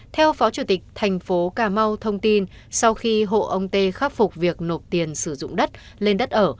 theo phó chủ tịch thành phố cà mau thông tin sau khi hộ ông tê khắc phục việc nộp tiền sử dụng đất lên đất ở